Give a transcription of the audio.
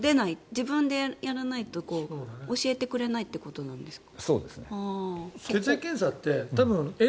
自分でやらないと教えてくれないということなんですか？